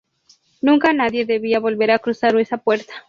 Nunca nadie debía volver a cruzar esa puerta.